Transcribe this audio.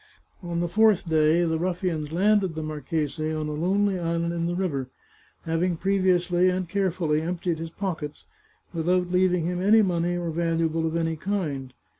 On the fourth day the ruffians landed the marchese on a lonely island in the river, having previously and carefully emptied his pockets, without leaving him any money or valuable of any kind.